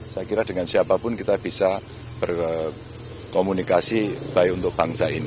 saya kira dengan siapapun kita bisa berkomunikasi baik untuk bangsa ini